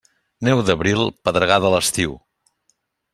Neu d'abril, pedregada a l'estiu.